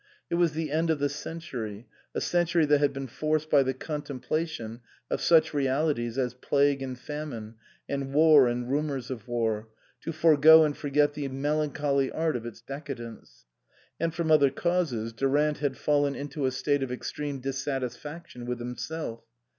It was the end of the century, a century that had been forced by the contemplation of such realities as plague and famine, and war and rumours of war, to forego and forget the melancholy art of its decadence. And from other causes Durant had fallen into a state of extreme dissatisfaction with himself.